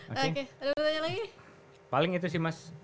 oke ada pertanyaan lagi